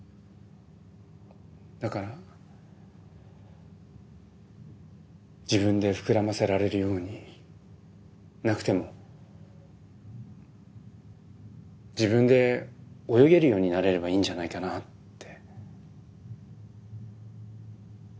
だから自分で膨らませられるようになくても自分で泳げるようになれればいいんじゃないかなって。